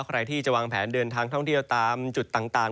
ใครที่จะวางแผนเดินทางท่องเที่ยวตามจุดต่าง